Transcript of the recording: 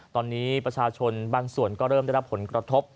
ตอนนี้ประชาชนบางส่วนก็เริ่มได้รับผลกระทบ